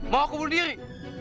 mau aku bunuh diri